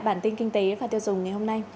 bản tin kinh tế và tiêu dùng ngày hôm nay